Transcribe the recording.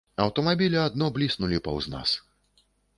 Аўтамабілі адно бліснулі паўз нас.